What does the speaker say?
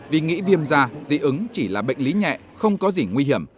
vì nghĩ viêm da dị ứng chỉ là bệnh lý nhẹ không có gì nguy hiểm